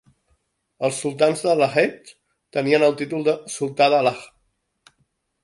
Els sultans de Lahej tenien el títol de "sultà de Lahj".